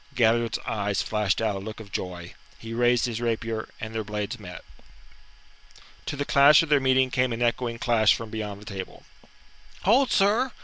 Galliard's eyes flashed out a look of joy, he raised his rapier, and their blades met. To the clash of their meeting came an echoing clash from beyond the table. "Hold, sir!"